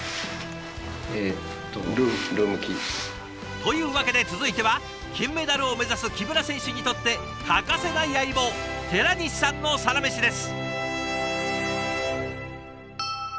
というわけで続いては金メダルを目指す木村選手にとって欠かせない相棒寺西さんのサラメシです。